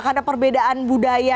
karena perbedaan budaya